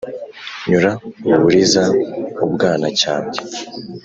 nyura u buliza u bwanacyambwe